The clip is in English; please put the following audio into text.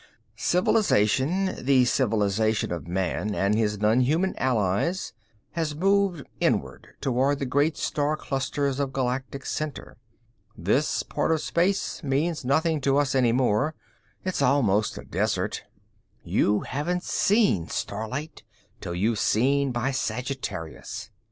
"Civilization the civilization of man and his nonhuman allies has moved inward, toward the great star clusters of Galactic center. This part of space means nothing to us any more; it's almost a desert. You haven't seen starlight till you've been by Sagittarius.